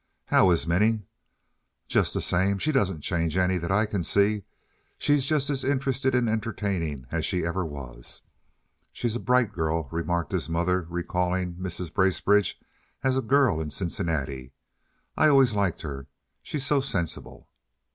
"How is Minnie?" "Just the same. She doesn't change any that I can see. She's just as interested in entertaining as she ever was." "She's a bright girl," remarked his mother, recalling Mrs. Bracebridge as a girl in Cincinnati. "I always liked her. She's so sensible."